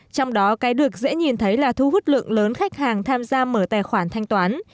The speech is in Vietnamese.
trong đó cái được dễ nhìn thấy là thu hút lượng lớn khách hàng tham gia mở tài khoản thanh toán